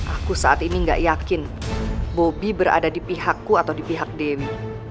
aku saat ini gak yakin bobby berada di pihakku atau di pihak demi